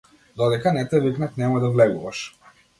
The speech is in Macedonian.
Додека не те викнат немој да влегуваш.